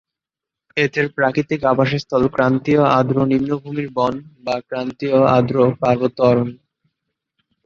এদের প্রাকৃতিক আবাসস্থল ক্রান্তীয় আর্দ্র নিম্নভূমির বন বা ক্রান্তীয় আর্দ্র পার্বত্য অরণ্য।